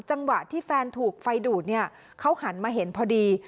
จังหวะที่แฟนถูกไฟดูดเนี่ยเขาหันมาเห็นพอดี